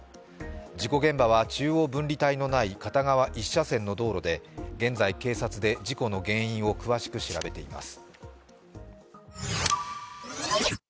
事故現場は中央分離帯のない片側１車線の道路で現在、警察で事故の原因を詳しく調べています。